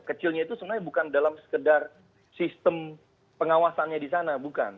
kecilnya itu sebenarnya bukan dalam sekedar sistem pengawasannya di sana bukan